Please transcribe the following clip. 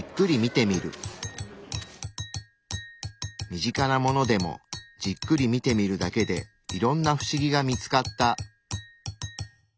身近なものでもじっくり見てみるだけでいろんな不思議が見つかった。